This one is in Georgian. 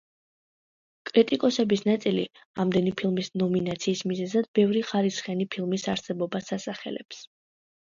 კრიტიკოსების ნაწილი, ამდენი ფილმის ნომინაციის მიზეზად ბევრი ხარისხიანი ფილმის არსებობას ასახელებს.